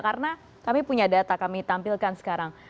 karena kami punya data kami tampilkan sekarang